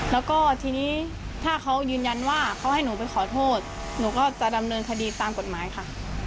แล้วก็ทีนี้ถ้าเขายืนยันว่าเขาให้หนูไปขอโทษหนูก็จะดำเนินคดีตามกฎหมายค่ะ